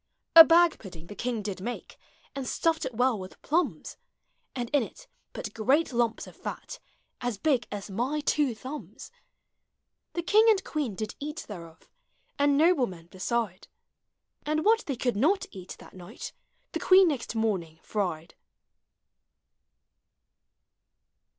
A bag pudding the king did make, And stuffed it well with plums; And in it put great lumps of fat, As big as my two thumbs. The king and queen did eat thereof, And noblemen beside ; And what they could not eat that night, The queen next morning fried.